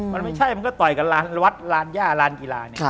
มันไม่ใช่มันก็ต่อยกับวัดร้านย่าร้านกีฬา